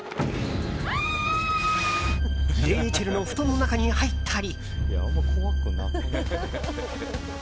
レイチェルの布団の中に入ったり。